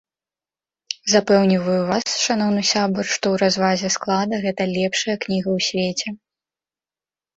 Запэўніваю вас, шаноўны сябар, што ў развазе склада гэта лепшая кніга ў свеце.